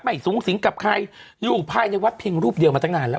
สูงสิงกับใครอยู่ภายในวัดเพียงรูปเดียวมาตั้งนานแล้ว